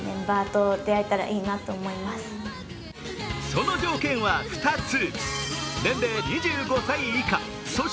その条件は２つ。